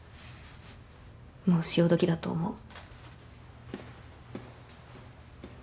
もう潮時だと思う。